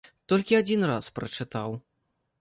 Толькі адзін раз прачытаў.